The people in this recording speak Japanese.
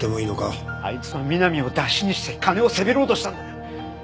あいつは美波をダシにして金をせびろうとしたんだよ。